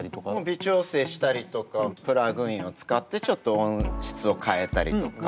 微調整したりとかプラグインを使ってちょっと音質を変えたりとか。